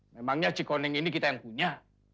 memangnya cik koneng ini kita yang punya